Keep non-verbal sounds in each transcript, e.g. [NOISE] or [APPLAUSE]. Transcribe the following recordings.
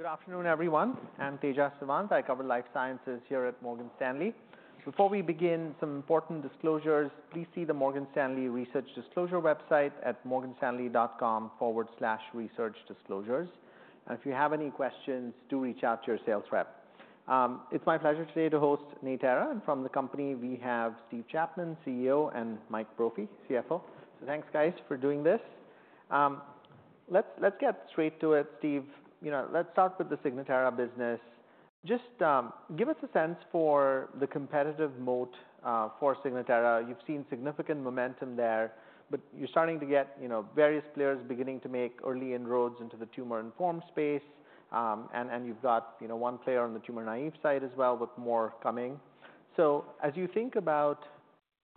Good afternoon, everyone. I'm Tejas Savant. I cover life sciences here at Morgan Stanley. Before we begin, some important disclosures. Please see the Morgan Stanley Research Disclosure website at morganstanley.com/researchdisclosures. And if you have any questions, do reach out to your sales rep. It's my pleasure today to host Natera, and from the company, we have Steve Chapman, CEO, and Mike Brophy, CFO. So thanks, guys, for doing this. Let's get straight to it, Steve. You know, let's start with the Signatera business. Just give us a sense for the competitive moat for Signatera. You've seen significant momentum there, but you're starting to get, you know, various players beginning to make early inroads into the tumor-informed space. And you've got, you know, one player on the tumor-naive side as well, with more coming. As you think about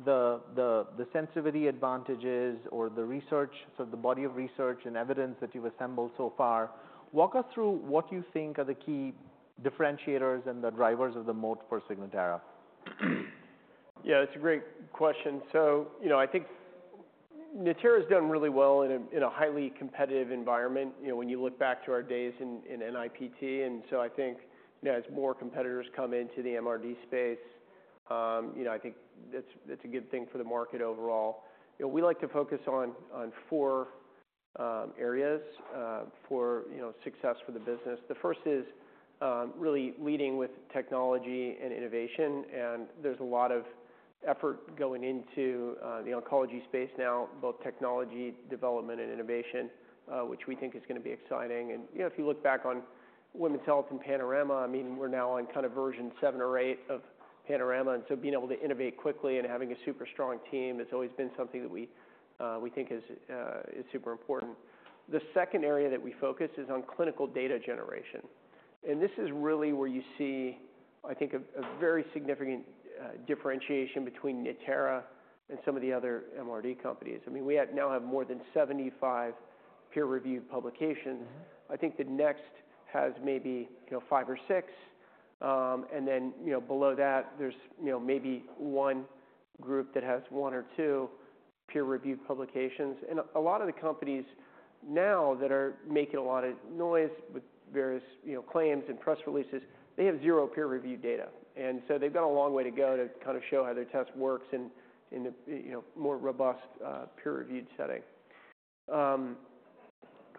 the sensitivity advantages or the research, so the body of research and evidence that you've assembled so far, walk us through what you think are the key differentiators and the drivers of the moat for Signatera. Yeah, it's a great question. So, you know, I think Natera's done really well in a highly competitive environment, you know, when you look back to our days in NIPT. And so I think, you know, as more competitors come into the MRD space, you know, I think that's a good thing for the market overall. You know, we like to focus on four areas for success for the business. The first is really leading with technology and innovation, and there's a lot of effort going into the oncology space now, both technology development and innovation, which we think is gonna be exciting. You know, if you look back on women's health and Panorama, I mean, we're now on kind of version seven or eight of Panorama, and so being able to innovate quickly and having a super strong team, that's always been something that we think is super important. The second area that we focus is on clinical data generation, and this is really where you see, I think, a very significant differentiation between Natera and some of the other MRD companies. I mean, we now have more than seventy-five peer-reviewed publications. Mm-hmm. I think the next has maybe, you know, five or six. And then, you know, below that, there's, you know, maybe one group that has one or two peer-reviewed publications. And a lot of the companies now that are making a lot of noise with various, you know, claims and press releases, they have zero peer-reviewed data. And so they've got a long way to go to kind of show how their test works in a, you know, more robust, peer-reviewed setting.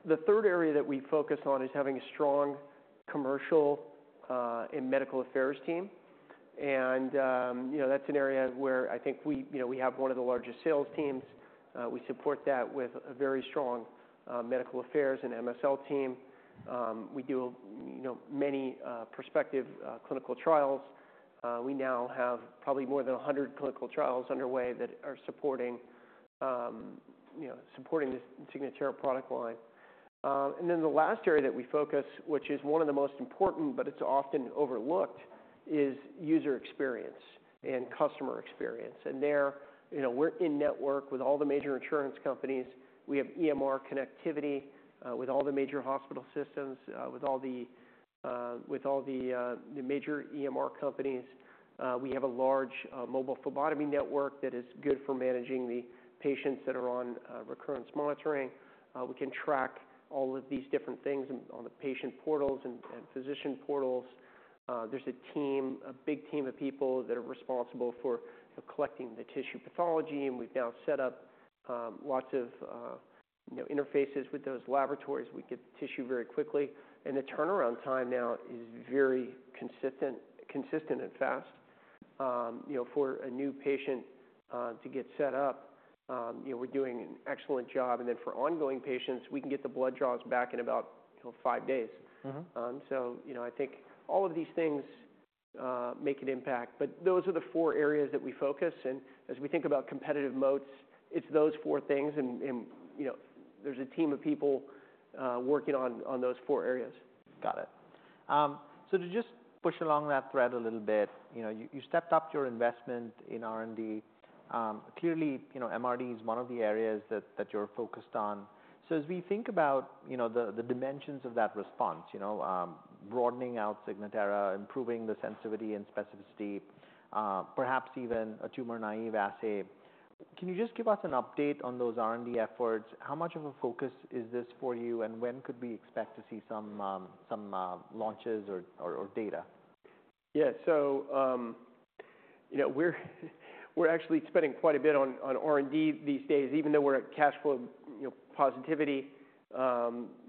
The third area that we focus on is having a strong commercial, and medical affairs team. And, you know, that's an area where I think we, you know, we have one of the largest sales teams. We support that with a very strong, medical affairs and MSL team. We do, you know, many, prospective, clinical trials. We now have probably more than a hundred clinical trials underway that are supporting, you know, supporting the Signatera product line. And then the last area that we focus, which is one of the most important, but it's often overlooked, is user experience and customer experience. And there, you know, we're in network with all the major insurance companies. We have EMR connectivity with all the major hospital systems, with all the major EMR companies. We have a large mobile phlebotomy network that is good for managing the patients that are on recurrence monitoring. We can track all of these different things on the patient portals and physician portals. There's a team, a big team of people that are responsible for collecting the tissue pathology, and we've now set up lots of, you know, interfaces with those laboratories. We get the tissue very quickly, and the turnaround time now is very consistent and fast. You know, for a new patient to get set up, you know, we're doing an excellent job. And then for ongoing patients, we can get the blood draws back in about, you know, five days. Mm-hmm. So, you know, I think all of these things make an impact, but those are the four areas that we focus on. And as we think about competitive moats, it's those four things and, you know, there's a team of people working on those four areas. Got it. So to just push along that thread a little bit, you know, you stepped up your investment in R&D. Clearly, you know, MRD is one of the areas that you're focused on. So as we think about, you know, the dimensions of that response, you know, broadening out Signatera, improving the sensitivity and specificity, perhaps even a tumor-naive assay, can you just give us an update on those R&D efforts? How much of a focus is this for you, and when could we expect to see some launches or data? Yeah. So, you know, we're actually spending quite a bit on R&D these days, even though we're at cash flow, you know, positivity. You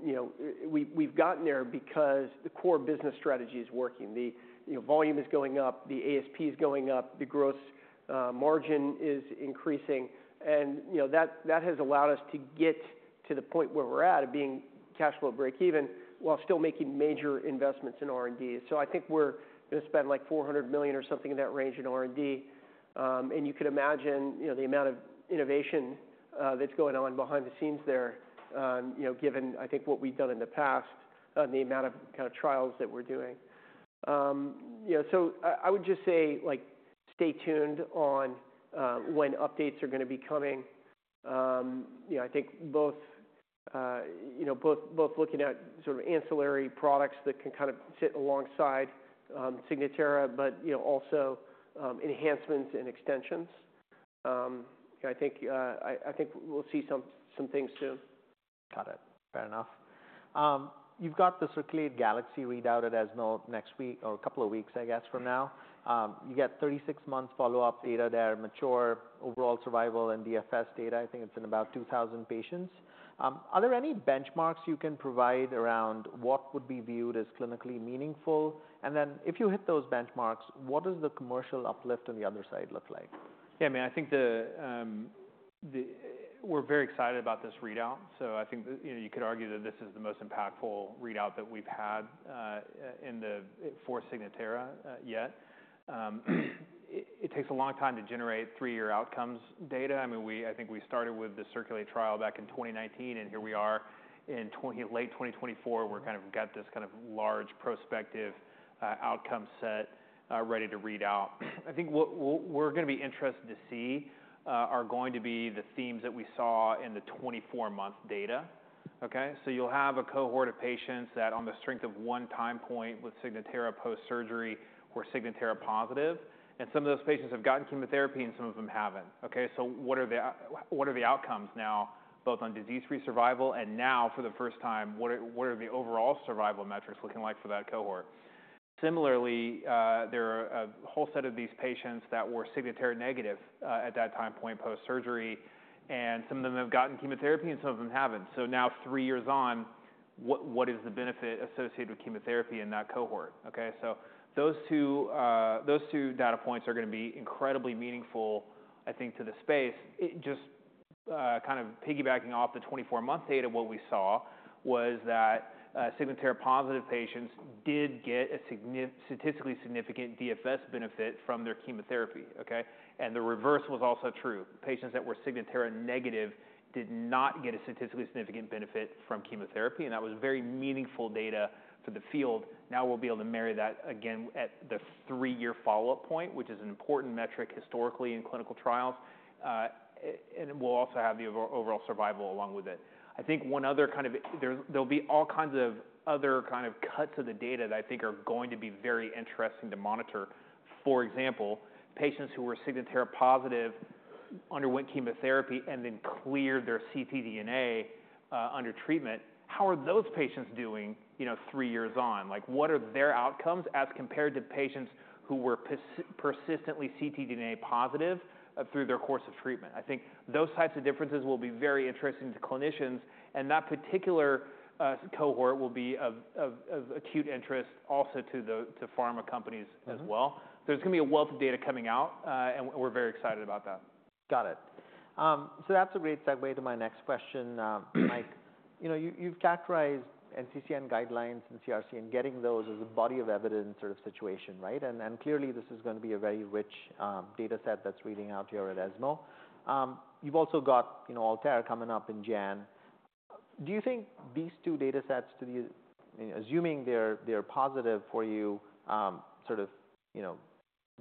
know, we've gotten there because the core business strategy is working. You know, volume is going up, the ASP is going up, the gross margin is increasing, and, you know, that has allowed us to get to the point where we're at, of being cash flow break even, while still making major investments in R&D. So I think we're gonna spend like $400 million or something in that range in R&D. And you could imagine, you know, the amount of innovation that's going on behind the scenes there, you know, given, I think, what we've done in the past, the amount of kind of trials that we're doing. You know, so I would just say, like, stay tuned on when updates are gonna be coming. You know, I think both looking at sort of ancillary products that can kind of sit alongside Signatera, but you know, also enhancements and extensions.... Yeah, I think we'll see some things soon. Got it. Fair enough. You've got the CIRCULATE GALAXY readout at ESMO next week, or a couple of weeks, I guess, from now. You get 36-month follow-up data there, mature overall survival and DFS data. I think it's in about 2,000 patients. Are there any benchmarks you can provide around what would be viewed as clinically meaningful? And then, if you hit those benchmarks, what does the commercial uplift on the other side look like? Yeah, I mean, I think we're very excited about this readout, so I think that, you know, you could argue that this is the most impactful readout that we've had in the for Signatera yet. It takes a long time to generate three-year outcomes data. I mean, I think we started with the CIRCULATE trial back in 2019, and here we are in late 2024, we're kind of got this kind of large prospective outcome set ready to read out. I think what we're gonna be interested to see are going to be the themes that we saw in the 24-month data, okay? So you'll have a cohort of patients that, on the strength of one time point with Signatera post-surgery, were Signatera positive, and some of those patients have gotten chemotherapy and some of them haven't. Okay, so what are the outcomes now, both on disease-free survival, and now, for the first time, what are the overall survival metrics looking like for that cohort? Similarly, there are a whole set of these patients that were Signatera negative at that time point post-surgery, and some of them have gotten chemotherapy, and some of them haven't. So now, three years on, what is the benefit associated with chemotherapy in that cohort, okay? So those two data points are gonna be incredibly meaningful, I think, to the space. It just kind of piggybacking off the 24-month data, what we saw was that Signatera-positive patients did get a statistically significant DFS benefit from their chemotherapy, okay? And the reverse was also true. Patients that were Signatera negative did not get a statistically significant benefit from chemotherapy, and that was very meaningful data for the field. Now we'll be able to marry that again at the 3-year follow-up point, which is an important metric historically in clinical trials, and we'll also have the overall survival along with it. I think one other kind of. There'll be all kinds of other kind of cuts of the data that I think are going to be very interesting to monitor. For example, patients who were Signatera positive, underwent chemotherapy, and then cleared their ctDNA under treatment, how are those patients doing, you know, three years on? Like, what are their outcomes as compared to patients who were persistently ctDNA positive through their course of treatment? I think those types of differences will be very interesting to clinicians, and that particular cohort will be of acute interest also to the pharma companies as well. Mm-hmm. So there's gonna be a wealth of data coming out, and we're very excited about that. Got it. So that's a great segue to my next question, Mike. You know, you, you've characterized NCCN guidelines and CRC and getting those as a body of evidence sort of situation, right? And, and clearly, this is gonna be a very rich, data set that's reading out here at ESMO. You've also got, you know, ALTAIR coming up in January. Do you think these two data sets to be, assuming they're, they're positive for you, sort of, you know,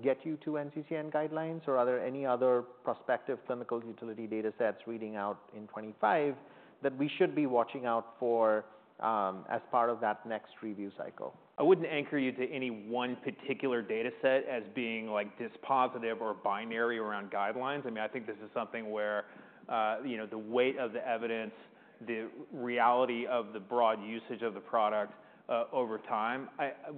get you to NCCN guidelines? Or are there any other prospective clinical utility data sets reading out in 2025 that we should be watching out for, as part of that next review cycle? I wouldn't anchor you to any one particular data set as being, like, this positive or binary around guidelines. I mean, I think this is something where, you know, the weight of the evidence, the reality of the broad usage of the product, over time.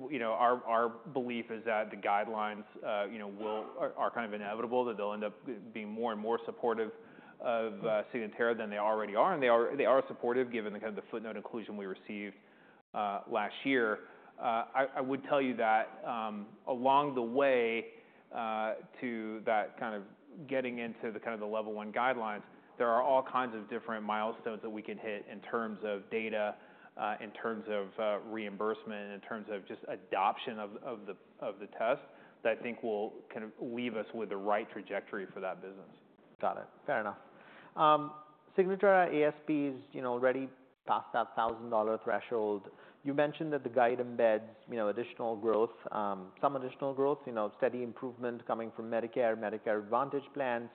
You know, our belief is that the guidelines, you know, will are kind of inevitable, that they'll end up being more and more supportive of, Signatera than they already are. And they are supportive, given the kind of the footnote inclusion we received, last year. I would tell you that along the way to that kind of getting into the kind of the level one guidelines, there are all kinds of different milestones that we can hit in terms of data, in terms of reimbursement, in terms of just adoption of the test, that I think will kind of leave us with the right trajectory for that business. Got it. Fair enough. Signatera ASP is, you know, already past that $1,000 threshold. You mentioned that the guide embeds, you know, additional growth, some additional growth, you know, steady improvement coming from Medicare, Medicare Advantage plans.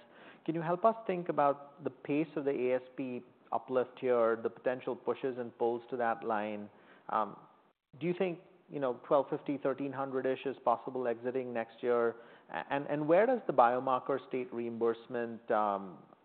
Can you help us think about the pace of the ASP uplift here, the potential pushes and pulls to that line? Do you think, you know, $1,250, $1,300-ish is possible exiting next year? And, where does the biomarker state reimbursement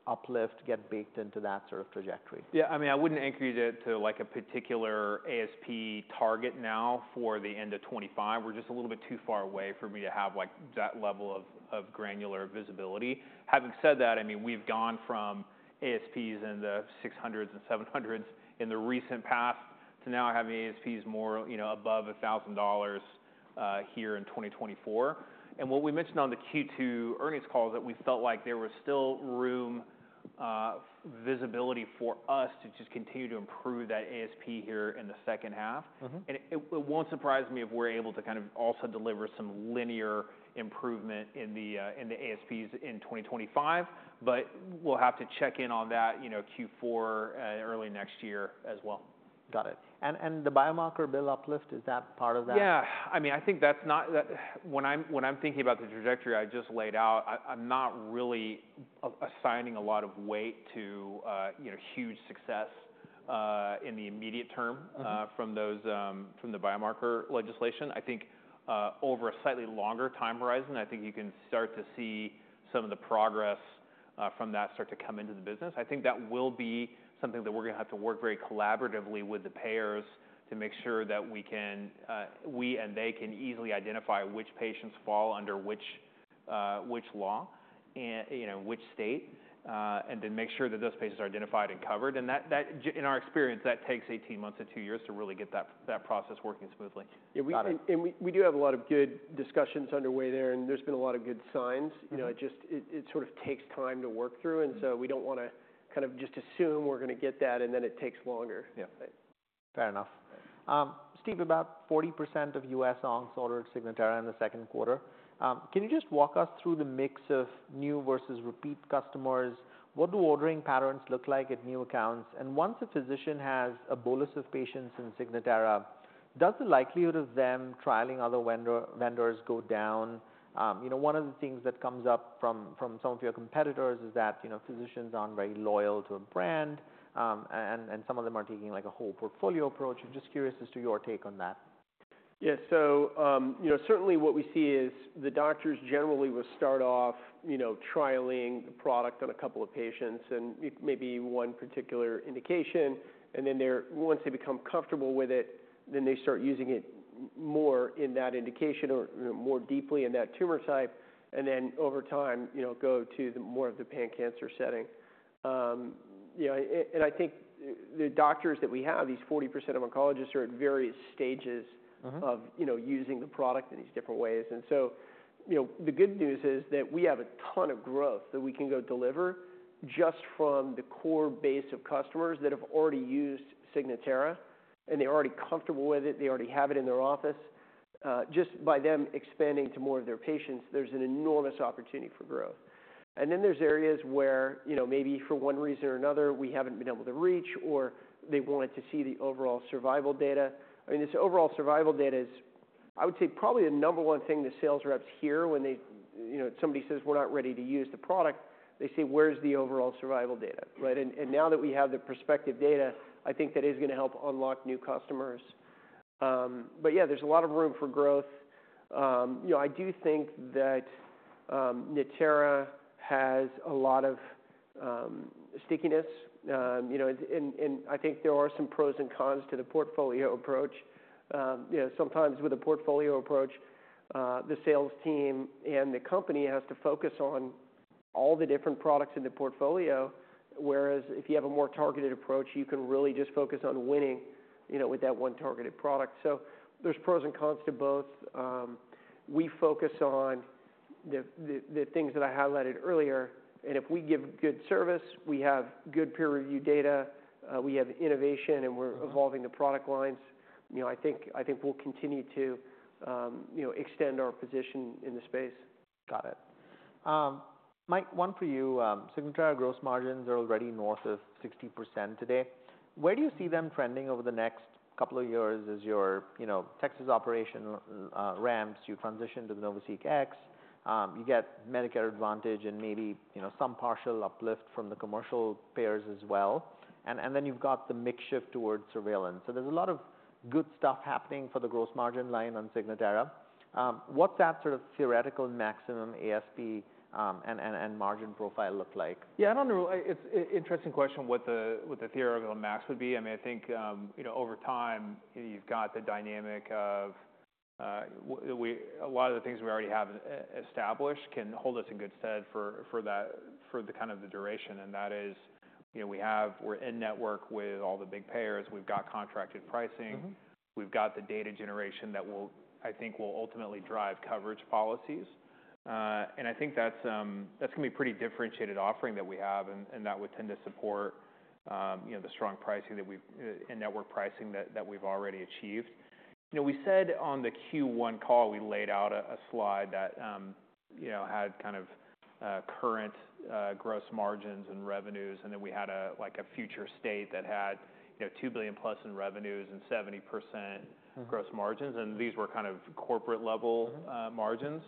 uplift get baked into that sort of trajectory? Yeah, I mean, I wouldn't anchor you to like a particular ASP target now for the end of 2025. We're just a little bit too far away for me to have, like, that level of granular visibility. Having said that, I mean, we've gone from ASPs in the $600s and $700s in the recent past, to now having ASPs more, you know, above $1,000 here in 2024. And what we mentioned on the Q2 earnings call is that we felt like there was still room, visibility for us to just continue to improve that ASP here in the second half. Mm-hmm. It won't surprise me if we're able to kind of also deliver some linear improvement in the ASPs in 2025, but we'll have to check in on that, you know, Q4 and early next year as well. Got it. And the biomarker bill uplift, is that part of that? Yeah. I mean, I think that's not. When I'm thinking about the trajectory I just laid out, I'm not really assigning a lot of weight to, you know, huge success in the immediate term from those biomarker legislation. I think over a slightly longer time horizon, I think you can start to see some of the progress from that start to come into the business. I think that will be something that we're gonna have to work very collaboratively with the payers to make sure that we can and they can easily identify which patients fall under which law and, you know, which state, and then make sure that those patients are identified and covered. In our experience, that takes eighteen months to two years to really get that process working smoothly. Yeah, we- Got it. We do have a lot of good discussions underway there, and there's been a lot of good signs. Mm-hmm. You know, it just sort of takes time to work through, and so we don't wanna kind of just assume we're gonna get that, and then it takes longer. Yeah. Fair enough. Steve, about 40% of U.S. oncologists ordered Signatera in the second quarter. Can you just walk us through the mix of new versus repeat customers? What do ordering patterns look like at new accounts? And once a physician has a bolus of patients in Signatera, does the likelihood of them trialing other vendors go down? You know, one of the things that comes up from some of your competitors is that, you know, physicians aren't very loyal to a brand, and some of them are taking, like, a whole portfolio approach. I'm just curious as to your take on that. Yes. So, you know, certainly what we see is the doctors generally will start off, you know, trialing the product on a couple of patients and it may be one particular indication, and then they're... Once they become comfortable with it, then they start using it more in that indication or, you know, more deeply in that tumor type, and then over time, you know, go to the more of the pan-cancer setting. You know, and I think the doctors that we have, these 40% of oncologists, are at various stages- Mm-hmm... of, you know, using the product in these different ways. And so, you know, the good news is that we have a ton of growth that we can go deliver just from the core base of customers that have already used Signatera, and they're already comfortable with it. They already have it in their office. Just by them expanding to more of their patients, there's an enormous opportunity for growth. And then there's areas where, you know, maybe for one reason or another, we haven't been able to reach, or they've wanted to see the overall survival data. I mean, this overall survival data is, I would say, probably the number one thing the sales reps hear when they... You know, somebody says, "We're not ready to use the product," they say, "Where's the overall survival data?" Right? Now that we have the prospective data, I think that is gonna help unlock new customers. But yeah, there's a lot of room for growth. You know, I do think that Natera has a lot of stickiness. You know, and I think there are some pros and cons to the portfolio approach. You know, sometimes with a portfolio approach, the sales team and the company has to focus on all the different products in the portfolio, whereas if you have a more targeted approach, you can really just focus on winning, you know, with that one targeted product. So there's pros and cons to both. We focus on the things that I highlighted earlier, and if we give good service, we have good peer review data, we have innovation, and we're- Mm-hmm... evolving the product lines, you know, I think, I think we'll continue to, you know, extend our position in the space. Got it. Mike, one for you. Signatera gross margins are already north of 60% today. Where do you see them trending over the next couple of years as your, you know, Texas operation ramps, you transition to the NovaSeq X, you get Medicare Advantage and maybe, you know, some partial uplift from the commercial payers as well, and then you've got the mix shift towards surveillance. So there's a lot of good stuff happening for the gross margin line on Signatera. What's that sort of theoretical maximum ASP and margin profile look like? Yeah, I don't know. It's interesting question, what the theoretical max would be. I mean, I think, you know, over time, you've got the dynamic of, A lot of the things we already have established can hold us in good stead for, for that, for the kind of the duration, and that is, you know, we have. We're in-network with all the big payers. We've got contracted pricing. Mm-hmm. We've got the data generation that will, I think, will ultimately drive coverage policies, and I think that's gonna be a pretty differentiated offering that we have, and that would tend to support, you know, the strong in-network pricing that we've already achieved. You know, we said on the Q1 call, we laid out a slide that, you know, had kind of current gross margins and revenues, and then we had, like, a future state that had, you know, $2 billion plus in revenues and 70%- Mm... gross margins, and these were kind of corporate level- Mm-hmm... margins.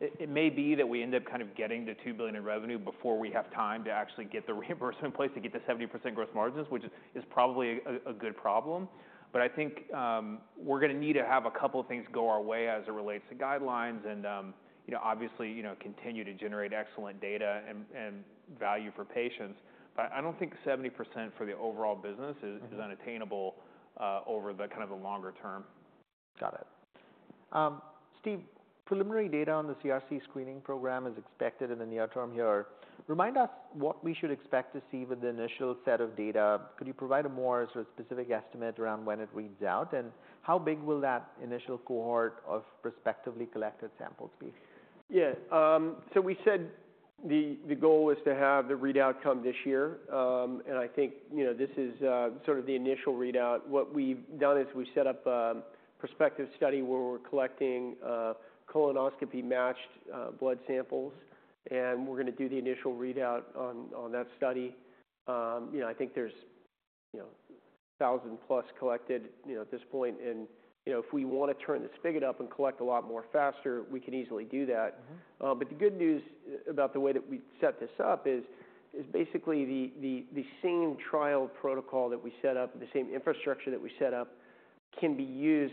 It may be that we end up kind of getting to $2 billion in revenue before we have time to actually get the reimbursement in place to get the 70% gross margins, which is probably a good problem. But I think we're gonna need to have a couple of things go our way as it relates to guidelines and you know, obviously, you know, continue to generate excellent data and value for patients. But I don't think 70% for the overall business is- Mm-hmm... is unattainable over the kind of the longer term. Got it. Steve, preliminary data on the CRC screening program is expected in the near term here. Remind us what we should expect to see with the initial set of data. Could you provide a more sort of specific estimate around when it reads out? And how big will that initial cohort of prospectively collected samples be? Yeah. So we said the goal was to have the readout come this year, and I think, you know, this is sort of the initial readout. What we've done is we've set up a prospective study where we're collecting colonoscopy-matched blood samples, and we're gonna do the initial readout on that study. You know, I think there's, you know, thousand-plus collected, you know, at this point, and, you know, if we wanna turn the spigot up and collect a lot more faster, we can easily do that. Mm-hmm. But the good news about the way that we've set this up is basically the same trial protocol that we set up, the same infrastructure that we set up, can be used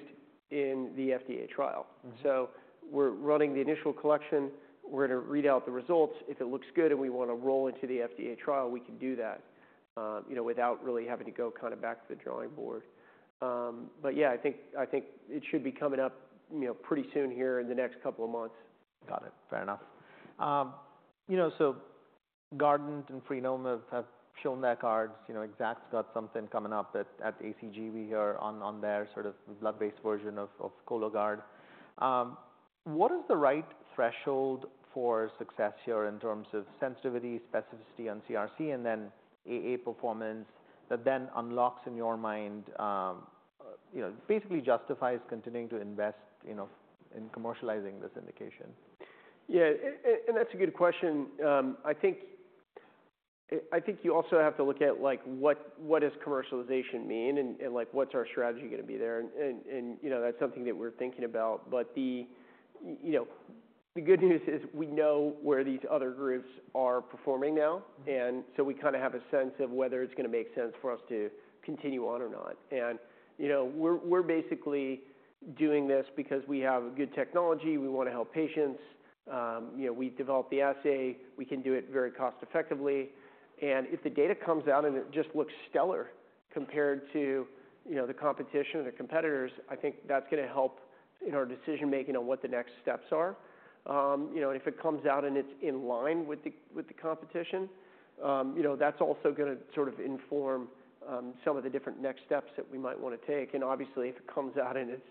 in the FDA trial. Mm-hmm. So we're running the initial collection, we're going to read out the results. If it looks good and we want to roll into the FDA trial, we can do that, you know, without really having to go kind of back to the drawing board. But yeah, I think it should be coming up, you know, pretty soon here in the next couple of months. Got it. Fair enough. You know, so Guardant and Freenome have shown their cards. You know, Exact's got something coming up at ACG. We are on their sort of blood-based version of Cologuard. What is the right threshold for success here in terms of sensitivity, specificity on CRC, and then AA performance that then unlocks, in your mind, you know, basically justifies continuing to invest, you know, in commercializing this indication? Yeah, and that's a good question. I think you also have to look at, like, what does commercialization mean? And like, what's our strategy going to be there? And, you know, that's something that we're thinking about. But the... You know, the good news is we know where these other groups are performing now. Mm-hmm. And so we kind of have a sense of whether it's gonna make sense for us to continue on or not. And, you know, we're basically doing this because we have a good technology, we want to help patients. You know, we developed the assay, we can do it very cost effectively. And if the data comes out and it just looks stellar compared to, you know, the competition or the competitors, I think that's gonna help in our decision-making on what the next steps are. You know, and if it comes out and it's in line with the competition, you know, that's also gonna sort of inform some of the different next steps that we might want to take. Obviously, if it comes out and it's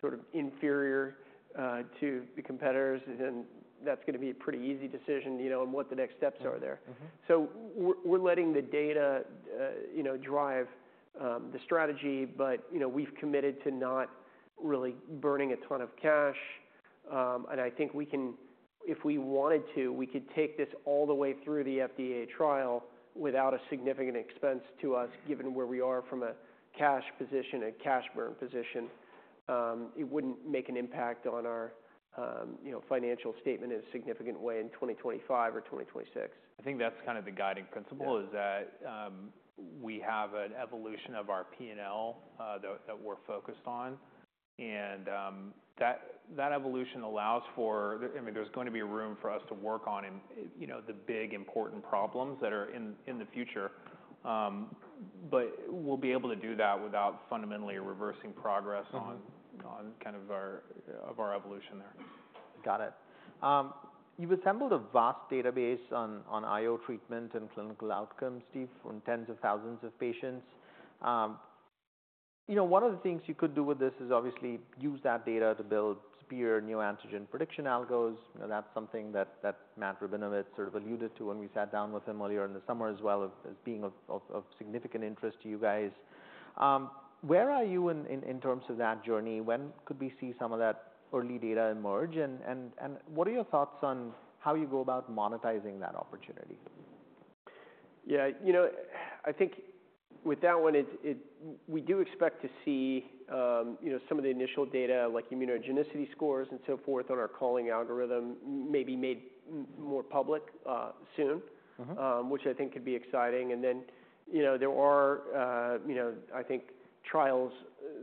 sort of inferior to the competitors, then that's gonna be a pretty easy decision, you know, on what the next steps are there. Mm-hmm. So we're letting the data, you know, drive the strategy, but, you know, we've committed to not really burning a ton of cash, and I think we can. If we wanted to, we could take this all the way through the FDA trial without a significant expense to us, given where we are from a cash position, a cash burn position. It wouldn't make an impact on our, you know, financial statement in a significant way in 2025 or 2026. I think that's kind of the guiding principle- Yeah... is that we have an evolution of our P&L, that we're focused on. And that evolution allows for, I mean, there's going to be room for us to work on, you know, the big, important problems that are in the future. But we'll be able to do that without fundamentally reversing progress- Mm-hmm... on kind of our evolution there. Got it. You've assembled a vast database on IO treatment and clinical outcomes, Steve, from tens of thousands of patients. You know, one of the things you could do with this is obviously use that data to build neoantigen prediction algos. You know, that's something that Matt Rabinowitz sort of alluded to when we sat down with him earlier in the summer as well as being of significant interest to you guys. Where are you in terms of that journey? When could we see some of that early data emerge? And what are your thoughts on how you go about monetizing that opportunity? Yeah, you know, I think with that one, it. We do expect to see, you know, some of the initial data, like immunogenicity scores and so forth, on our calling algorithm, maybe made more public, soon. Mm-hmm. Which I think could be exciting, and then, you know, there are, you know, I think, trials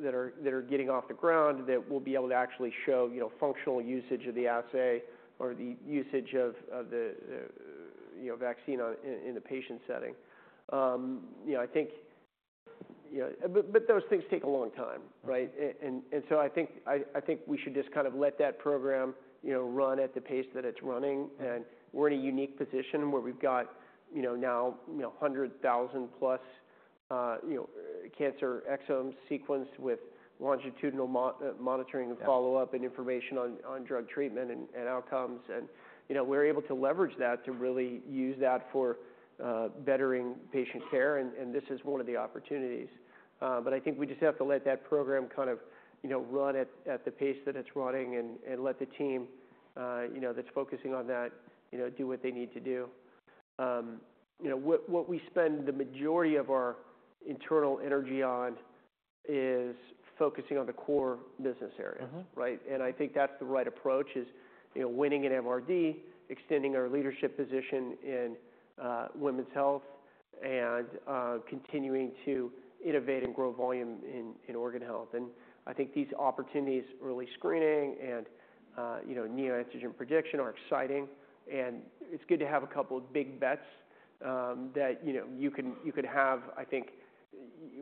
that are getting off the ground that will be able to actually show, you know, functional usage of the assay or the usage of the vaccine in a patient setting, but those things take a long time, right? Mm-hmm. and so I think we should just kind of let that program, you know, run at the pace that it's running. And we're in a unique position where we've got, you know, now, you know, a hundred thousand plus, you know, cancer exome sequence with longitudinal monitoring- Yeah... and follow-up and information on drug treatment and outcomes, and you know, we're able to leverage that to really use that for bettering patient care, and this is one of the opportunities, but I think we just have to let that program kind of you know run at the pace that it's running and let the team you know that's focusing on that you know do what they need to do. You know what we spend the majority of our internal energy on is focusing on the core business areas. Mm-hmm. Right? And I think that's the right approach, is, you know, winning at MRD, extending our leadership position in, women's health, and, continuing to innovate and grow volume in, in organ health. And I think these opportunities, early screening and, you know, neoantigen prediction, are exciting, and it's good to have a couple of big bets, that, you know, you can, you can have, I think,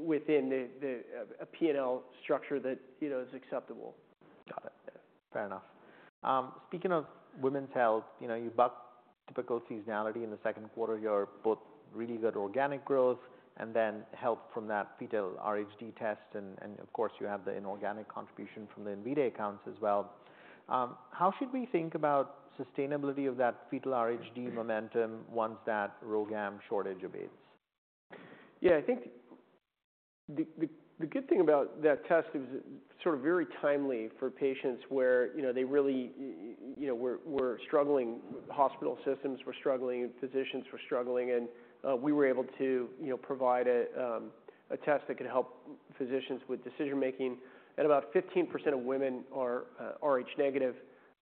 within the, the, a P&L structure that, you know, is acceptable. Got it. Fair enough. Speaking of women's health, you know, you bucked typical seasonality in the second quarter. You had both really good organic growth and then help from that fetal RhD test and of course, you have the inorganic contribution from the Invitae accounts as well. How should we think about sustainability of that fetal RhD momentum once that RhoGAM shortage abates? Yeah, I think the good thing about that test is it sort of very timely for patients where, you know, they really, you know, were struggling, hospital systems were struggling, physicians were struggling, and we were able to, you know, provide a test that could help physicians with decision-making. And about 15% of women are Rh negative,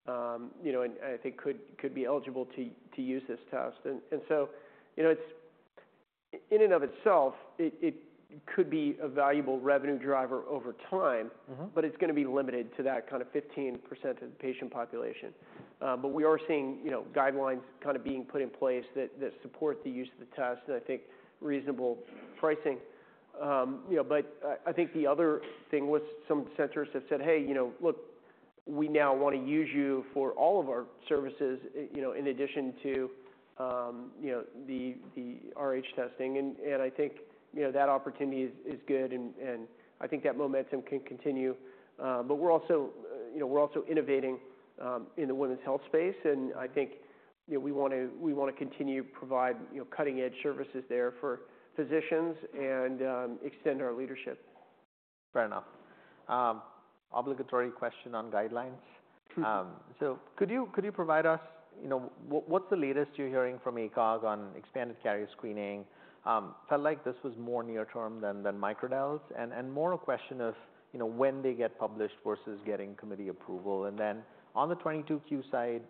you know, and I think could be eligible to use this test. And so, you know, it's in and of itself, it could be a valuable revenue driver over time. Mm-hmm. But it's going to be limited to that kind of 15% of the patient population. But we are seeing, you know, guidelines kind of being put in place that support the use of the test, and I think reasonable pricing. You know, but I think the other thing was some centers have said, "Hey, you know, look, we now want to use you for all of our services, you know, in addition to, you know, the Rh testing." And I think, you know, that opportunity is good, and I think that momentum can continue. But we're also, you know, we're also innovating in the women's health space, and I think, you know, we want to, we want to continue to provide, you know, cutting-edge services there for physicians and extend our leadership. Fair enough. Obligatory question on guidelines. Mm. [CROSSTALK] So could you provide us, you know, what's the latest you're hearing from ACOG on expanded carrier screening? Felt like this was more near term than MicroDels, and more a question of, you know, when they get published versus getting committee approval. And then on the 22q side,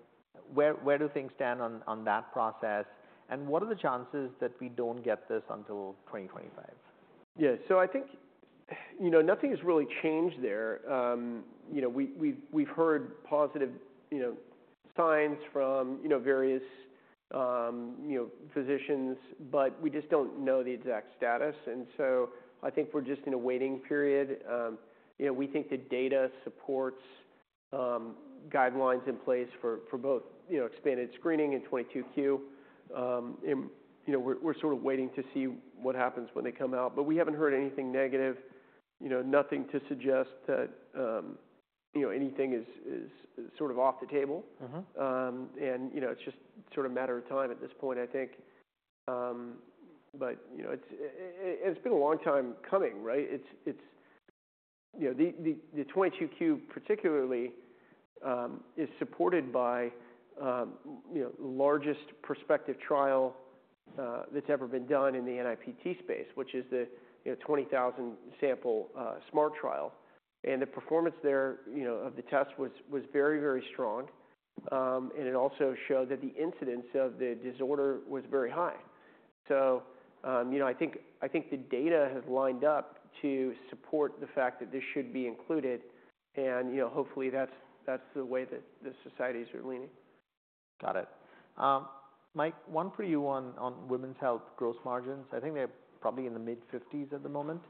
where do things stand on that process, and what are the chances that we don't get this until 2025? Yeah. So I think, you know, nothing has really changed there. You know, we've heard positive, you know, signs from, you know, various, you know, physicians, but we just don't know the exact status, and so I think we're just in a waiting period. You know, we think the data supports guidelines in place for both, you know, expanded screening and 22q. And, you know, we're sort of waiting to see what happens when they come out, but we haven't heard anything negative. You know, nothing to suggest that, you know, anything is sort of off the table. Mm-hmm. You know, it's just sort of a matter of time at this point, I think. But you know, it's been a long time coming, right? You know, the 22q, particularly, is supported by you know, the largest prospective trial that's ever been done in the NIPT space, which is the you know, 20,000 sample SMART trial. And the performance there, you know, of the test was very, very strong. And it also showed that the incidence of the disorder was very high. So you know, I think the data has lined up to support the fact that this should be included, and you know, hopefully that's the way that the societies are leaning. Got it. Mike, one for you on women's health gross margins. I think they're probably in the mid-50s% at the moment.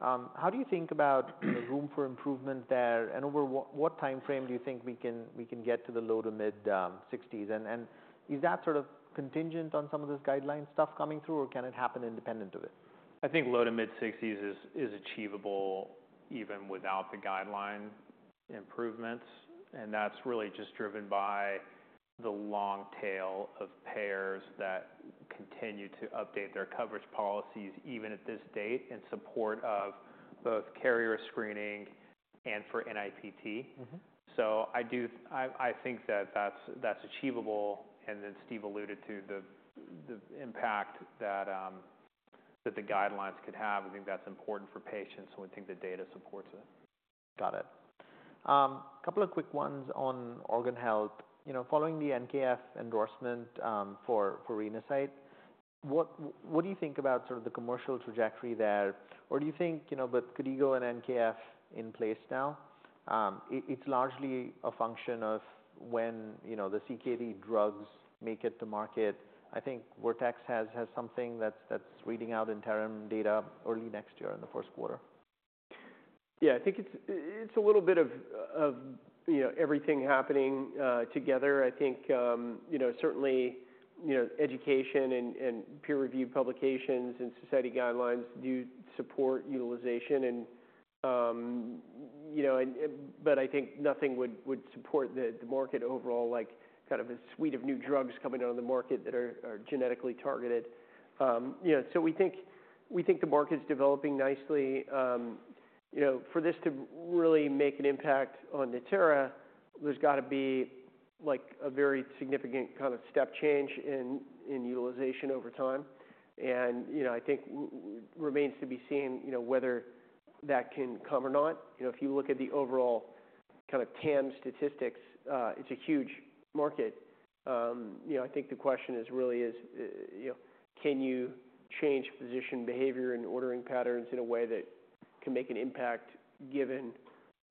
How do you think about the room for improvement there, and over what timeframe do you think we can get to the low- to mid-60s%? And is that sort of contingent on some of this guideline stuff coming through, or can it happen independent of it? I think low to mid-sixties is achievable even without the guideline improvements, and that's really just driven by the long tail of payers that continue to update their coverage policies, even at this date, in support of both carrier screening and for NIPT. Mm-hmm. I do. I think that's achievable, and then Steve alluded to the impact that the guidelines could have. I think that's important for patients, and we think the data supports it. Got it. A couple of quick ones on organ health. You know, following the NKF endorsement for Renasight, what do you think about sort of the commercial trajectory there? Or do you think, you know, with KDIGO and NKF in place now, it's largely a function of when, you know, the CKD drugs make it to market. I think Vertex has something that's reading out interim data early next year, in the first quarter. Yeah, I think it's a little bit of you know everything happening together. I think you know certainly you know education and peer-reviewed publications and society guidelines do support utilization and you know and but I think nothing would support the market overall like kind of a suite of new drugs coming on the market that are genetically targeted. You know so we think the market's developing nicely. You know for this to really make an impact on Natera there's got to be like a very significant kind of step change in utilization over time. And you know I think remains to be seen you know whether that can come or not. You know if you look at the overall kind of TAM statistics it's a huge market. You know, I think the question is really, you know, can you change physician behavior and ordering patterns in a way that can make an impact, given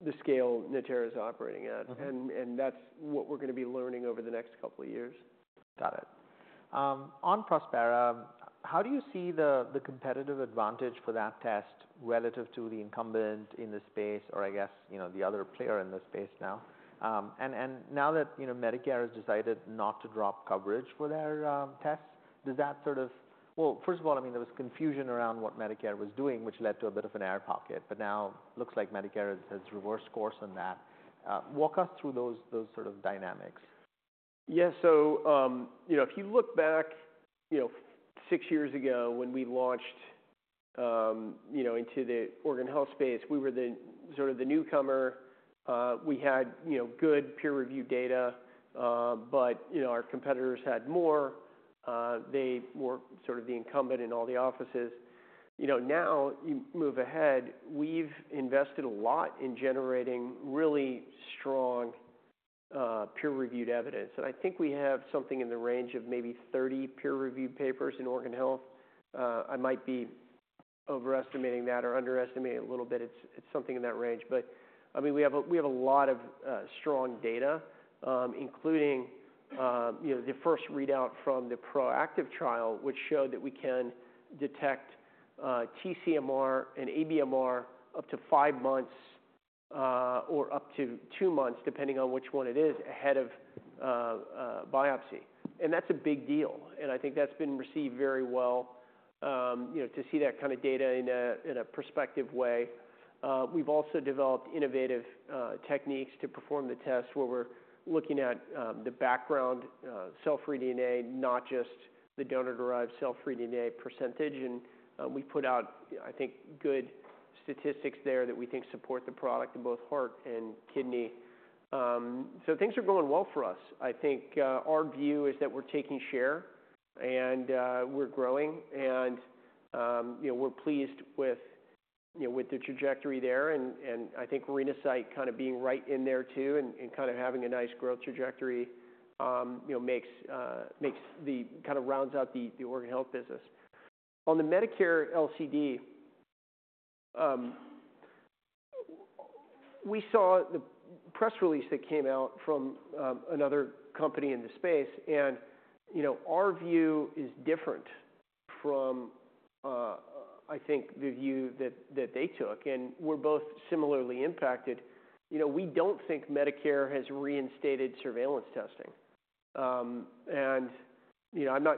the scale Natera is operating at? Mm-hmm. That's what we're going to be learning over the next couple of years. Got it. On Prospera, how do you see the competitive advantage for that test relative to the incumbent in this space, or I guess, you know, the other player in this space now? And now that, you know, Medicare has decided not to drop coverage for their test, does that sort of... Well, first of all, I mean, there was confusion around what Medicare was doing, which led to a bit of an air pocket, but now looks like Medicare has reversed course on that. Walk us through those sort of dynamics. Yeah. So, you know, if you look back, you know, six years ago when we launched, you know, into the organ health space, we were the sort of the newcomer. We had, you know, good peer-reviewed data, but, you know, our competitors had more. They were sort of the incumbent in all the offices. You know, now, you move ahead, we've invested a lot in generating really strong peer-reviewed evidence. And I think we have something in the range of maybe 30 peer-reviewed papers in organ health. I might be overestimating that or underestimating it a little bit. It's, it's something in that range. But, I mean, we have a lot of strong data, including, you know, the first readout from the PROACTIVE trial, which showed that we can detect TCMR and ABMR up to five months or up to two months, depending on which one it is, ahead of biopsy. And that's a big deal, and I think that's been received very well. You know, to see that kind of data in a prospective way. We've also developed innovative techniques to perform the test, where we're looking at the background cell-free DNA, not just the donor-derived cell-free DNA percentage. And we put out, I think, good statistics there that we think support the product in both heart and kidney. So things are going well for us. I think our view is that we're taking share and we're growing, and you know we're pleased with you know with the trajectory there, and I think Renasight kind of being right in there too and kind of having a nice growth trajectory you know makes the kinda rounds out the organ health business. On the Medicare LCD, we saw the press release that came out from another company in the space, and you know our view is different from I think the view that they took, and we're both similarly impacted. You know we don't think Medicare has reinstated surveillance testing. You know,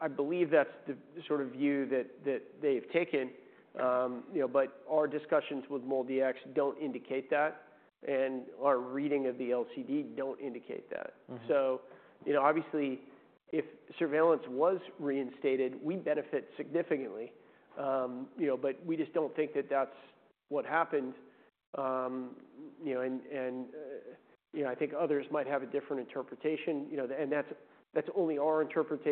I believe that's the sort of view that they've taken, you know, but our discussions with MolDX don't indicate that, and our reading of the LCD don't indicate that. Mm-hmm. So, you know, obviously, if surveillance was reinstated, we'd benefit significantly, you know, but we just don't think that that's what happened. You know, and you know, I think others might have a different interpretation, you know, and that's only our interpretation.